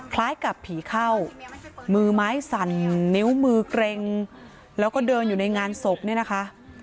คล้ายกับผีเข้ามือไม้สั่นนิ้วมือเกร็งแล้วก็เดินอยู่ในงานศพเนี่ยนะคะ